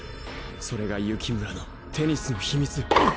それが幸村のテニスの秘密。